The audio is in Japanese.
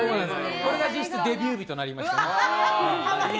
これが実質デビュー日となりました。